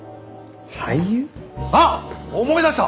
あっ思い出した！